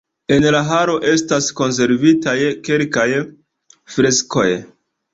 En la halo estas konservitaj kelkaj freskoj.